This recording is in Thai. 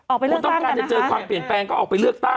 ออกไปเลือกตั้งกันนะคะ